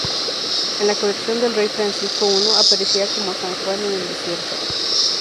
En la colección del rey Francisco I aparecía como "San Juan en el desierto".